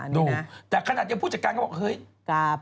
นี่คือลูกสาวใช่ไหม